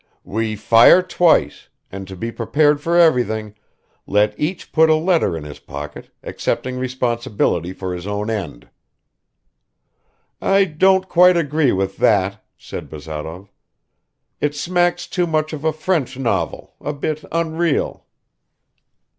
"We fire twice, and to be prepared for everything, let each put a letter in his pocket, accepting responsibility for his own end." "I don't quite agree with that," said Bazarov. "It smacks too much of a French novel, a bit unreal."